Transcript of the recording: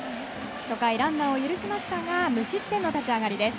初回ランナーを許しましたが無失点の立ち上がりです。